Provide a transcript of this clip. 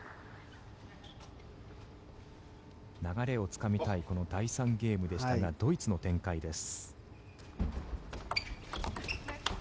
流れをつかみたいこの第３ゲームでしたがドイツの展開です。